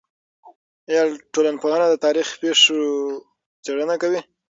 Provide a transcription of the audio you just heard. آیا ټولنپوهنه د تاریخي پېښو څېړنه کوي؟